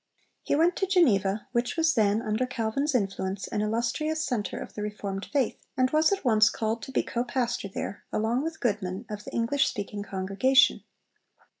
He went to Geneva, which was then, under Calvin's influence, an illustrious centre of the reformed faith; and was at once called to be co pastor there (along with Goodman) of the English speaking congregation.